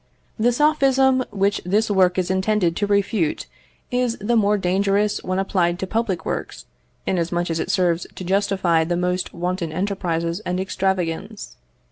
The sophism which this work is intended to refute is the more dangerous when applied to public works, inasmuch as it serves to justify the most wanton enterprises and extravagance.